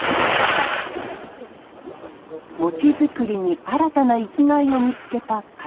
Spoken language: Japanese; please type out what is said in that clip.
餅作りに新たな生きがいを見つけた片方さん。